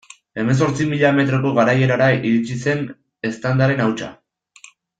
Hemezortzi mila metroko garaierara iritsi zen eztandaren hautsa.